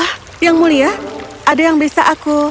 ah yang mulia ada yang bisa aku